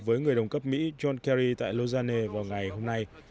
với người đồng cấp mỹ john kerry tại loghane vào ngày hôm nay